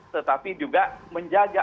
tetapi juga menjaga